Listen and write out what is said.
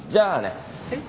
えっ？